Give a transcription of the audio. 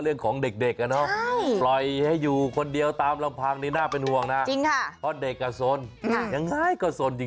เรื่องของเด็ก